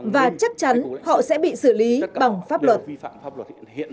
và chắc chắn họ sẽ bị xử lý bằng pháp luật